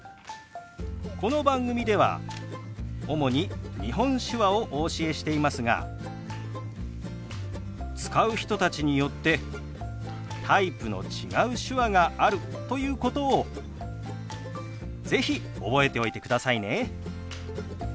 この番組では主に日本手話をお教えしていますが使う人たちによってタイプの違う手話があるということを是非覚えておいてくださいね。